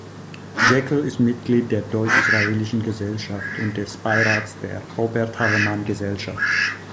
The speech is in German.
Jäckel ist Mitglied der Deutsch–Israelischen Gesellschaft und des Beirats der Robert-Havemann-Gesellschaft.